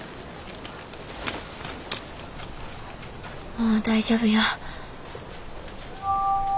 もう大丈夫よ。